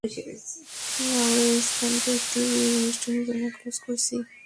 আমরা এই স্থানটা একটি বিয়ের অনুষ্ঠানের জন্য ক্লোজ করছি!